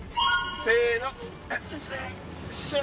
せの。